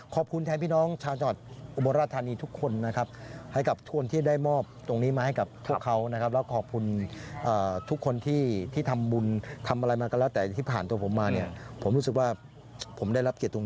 ขอบคุณแทนพี่น้องชาวจังหวัดบนราธานีทุกคนนะครับ